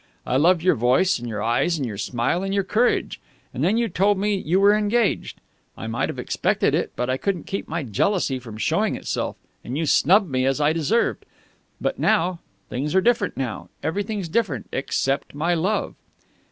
I loved your voice and your eyes and your smile and your courage. And then you told me you were engaged. I might have expected it, but I couldn't keep my jealousy from showing itself, and you snubbed me as I deserved. But now ... things are different now. Everything's different, except my love."